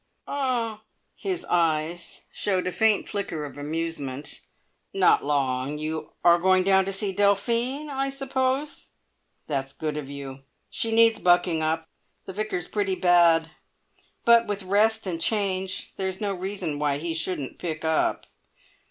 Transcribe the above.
"Er " his eyes showed a faint flicker of amusement "not long. You are going down to see Delphine, I suppose. That's good of you. She needs bucking up. The Vicar's pretty bad, but with rest and change there's no reason why he shouldn't pick up.